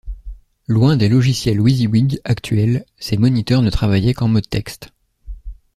Loin des logiciels wysiwyg actuels, ces moniteurs ne travaillaient qu'en mode texte.